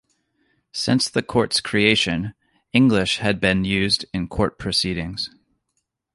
Since the courts' creation, English had been used in court proceedings.